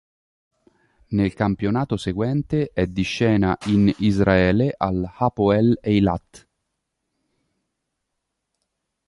Nel campionato seguente è di scena in Israele all'Hapoel Eilat.